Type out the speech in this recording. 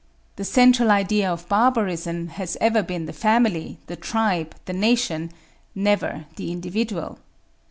The central idea of barbarism has ever been the family, the tribe, the nation never the individual.